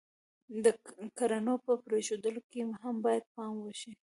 د کړنو په پرېښودلو کې هم باید پام وشي.